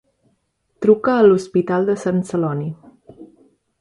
Truca a l'Hospital de Sant Celoni.